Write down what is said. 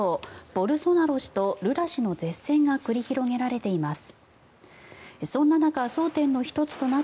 ボルソナロ氏とルラ氏の舌戦が繰り広げられています。